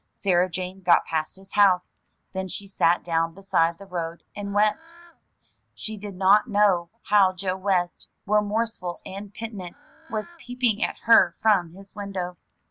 Sarah Jane got past his house; then she sat down beside the road and wept. She did not know how Joe West, remorse ful and penitent, was peeping at her from his window.